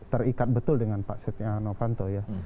terikat betul dengan pak syanovanto ya